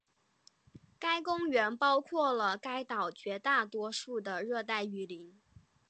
该公园包括了该岛绝大多数的热带雨林。